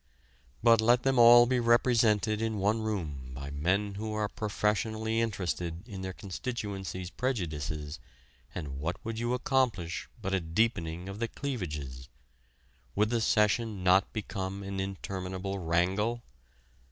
But let them all be represented in one room by men who are professionally interested in their constituency's prejudices and what would you accomplish but a deepening of the cleavages? Would the session not become an interminable wrangle?